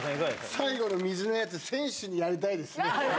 最後の水のやつ、選手にやりたいですね。